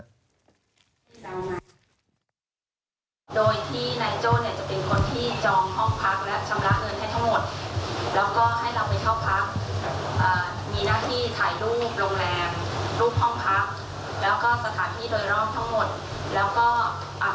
โดยที่นายโจ่เนี่ยจะเป็นคนที่จองห้องพัก